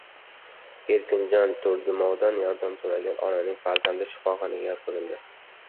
Erkinjon Turdimovdan yordam so‘ragan onaning farzandi shifoxonaga yotqizildi